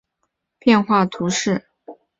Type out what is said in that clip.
圣阿勒班德沃塞尔人口变化图示